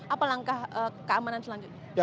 apa langkah keamanan selanjutnya